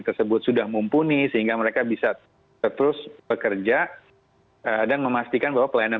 tersebut sudah mumpuni sehingga mereka bisa terus bekerja dan memastikan bahwa pelayanan